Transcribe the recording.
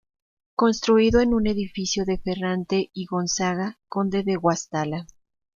Construido en un edificio de Ferrante I Gonzaga, conde de Guastalla.